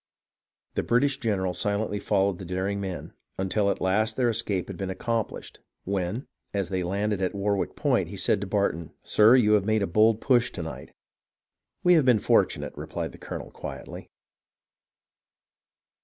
The British general silently followed the daring men, until at last their escape had been accomplished, when, as they landed at Warwick Point, he said to Barton, " Sir, you have made a bold push to night." "We have been fortunate," replied the colonel, quietly.